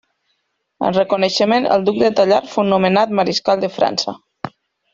En reconeixement, el Duc de Tallard fou nomenat Mariscal de França.